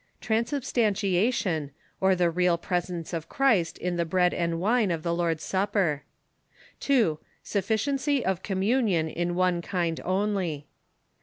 Transubstantiation, or the real presence of Cbrist in the bread and wine of the Lord's Supper. 2. Sufficiency of communion in one kind only.